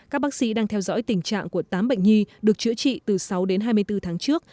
các bác sĩ đang theo dõi tình trạng của tám bệnh nhi được chữa trị từ sáu đến hai mươi bốn tháng trước